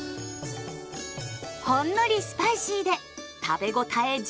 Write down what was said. ほんのりスパイシーで食べ応え十分！